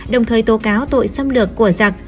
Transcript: đồng thời tố cáo tội xâm lược của giặc